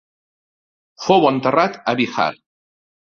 Fou enterrat a Bihar.